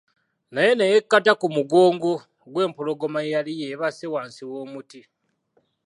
Naye ne yekkata ku mugongo gw'empologoma eyali yeebase wansi w'omuti.